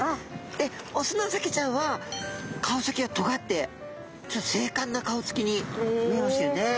でオスのサケちゃんは顔先がとがってちょっと精かんな顔つきに見えますよね。